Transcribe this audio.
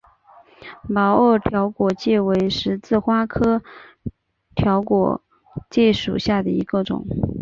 毛萼条果芥为十字花科条果芥属下的一个种。